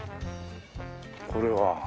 これは。